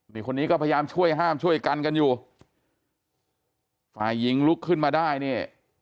นี่คนนี้ก็พยายามช่วยห้ามช่วยกันกันอยู่ฝ่ายหญิงลุกขึ้นมาได้เนี่ย